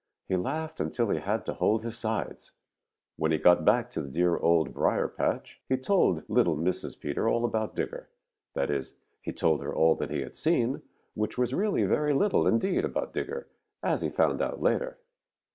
He laughed until he had to hold his sides. When he got back to the dear Old Briar patch, he told little Mrs. Peter all about Digger. That is, he told her all that he had seen, which was really very little indeed about Digger, as he found out later.